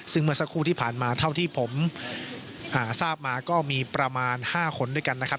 ซึ่งเมื่อสักครู่ที่ผ่านมาเท่าที่ผมทราบมาก็มีประมาณ๕คนด้วยกันนะครับ